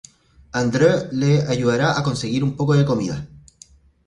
Andreu le ayuda a conseguir un poco de comida.